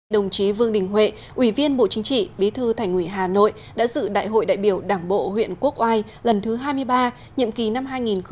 đồng chí vương đình huệ ủy viên bộ chính trị bí thư thành ủy hà nội đã dự đại hội đại biểu đảng bộ huyện quốc oai lần thứ hai mươi ba nhiệm kỳ năm hai nghìn hai mươi hai nghìn hai mươi năm